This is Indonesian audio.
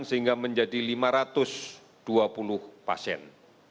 sehingga menjadi lima ratus dua puluh pasien